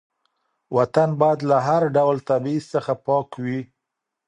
وطن باید له هر ډول تبعیض څخه پاک وي.